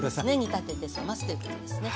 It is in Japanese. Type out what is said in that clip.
煮立てて冷ますということですね。